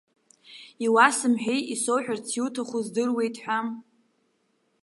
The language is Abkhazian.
Иуасымҳәеи, исоуҳәарц иуҭаху здыруеит ҳәа.